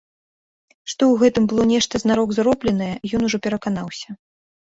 Што ў гэтым было нешта знарок зробленае, ён ужо пераканаўся.